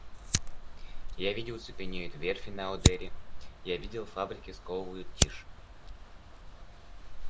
Я видел — цепенеют верфи на Одере, я видел — фабрики сковывает тишь.